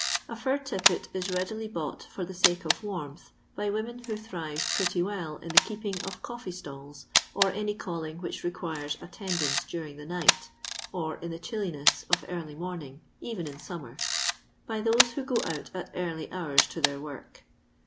A fur tippet is readily bought for the sake of warmth by women who thrire pretty well in the keeping of coffee stalls, or any calling which requires attendance during the night, or in the chilliness of early morning, eren in summer, by those who go out at early hoars to their work.